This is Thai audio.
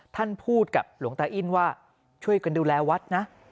ท่านพูดกับหลวงตาอิ้นว่าช่วยกันดูแลวัดนะ